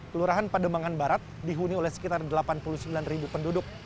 kelurahan pademangan barat dihuni oleh sekitar delapan puluh sembilan ribu penduduk